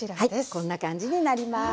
こんな感じになります。